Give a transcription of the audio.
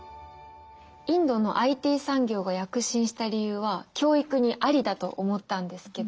インドのＩＴ産業が躍進した理由は教育にありだと思ったんですけど？